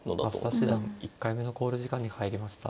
増田七段１回目の考慮時間に入りました。